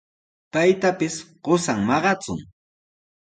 Paytapis qusan maqachun.